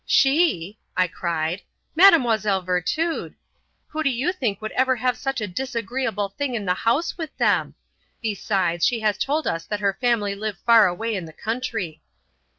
"She," I cried, "Mile. Virtud! Who do you think would ever have such a disagreeable thing in the house with them! Besides, she has told us that her family live far away in the country."